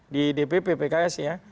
di dpp pks ya